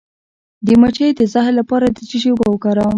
د مچۍ د زهر لپاره د څه شي اوبه وکاروم؟